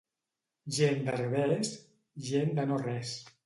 Gent d'Herbers, gent de no res.